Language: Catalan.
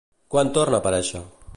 Quan torna a aparèixer?